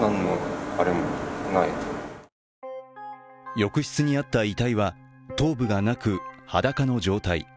浴室にあった遺体は頭部がなく裸の状態。